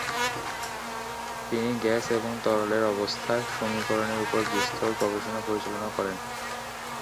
তিনি গ্যাস এবং তরলের অবস্থার সমীকরণের উপর বিস্তর গবেষণা পরিচালনা করেন।